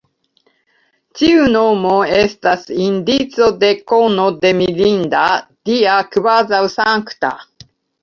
Ĉiu nomo estas indico de kono, de mirinda, dia, kvazaŭ sankta.